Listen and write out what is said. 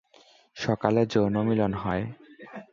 সকালে যৌনমিলন হয়।